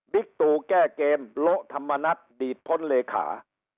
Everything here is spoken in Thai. ตู่แก้เกมโละธรรมนัฐดีดพ้นเลขา